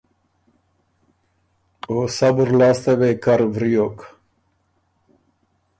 او صبُر لاسته وې کر وریوک۔